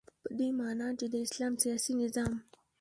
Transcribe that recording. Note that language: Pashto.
په دی معنا چی د اسلام سیاسی نظام